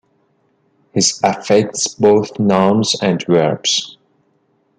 This affects both nouns and verbs.